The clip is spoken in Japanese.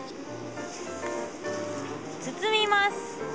包みます。